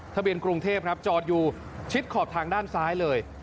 ทะเบียนกรุงเทพครับจอดอยู่ชิดขอบทางด้านซ้ายเลย